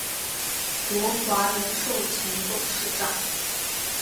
国华人寿前董事长。